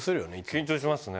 緊張しますね。